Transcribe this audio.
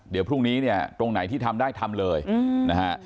เดี๋ยวพรุ่งนี้เนี่ยตรงไหนที่ทำได้ทำเลยนะฮะ